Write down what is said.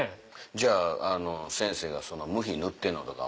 じゃああの先生がそのムヒ塗ってんのとかもう。